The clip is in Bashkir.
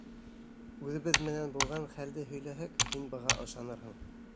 Үҙебеҙ менән булған хәлде һөйләһәк, һин быға ышанырһың.